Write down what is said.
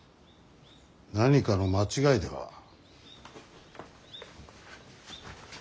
何かの間違いでは。